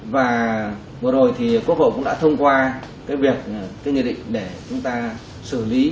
và vừa rồi thì quốc hội cũng đã thông qua cái việc cái nghị định để chúng ta xử lý